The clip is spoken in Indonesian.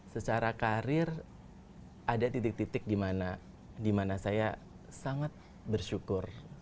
secara karir ada titik titik di mana saya sangat bersyukur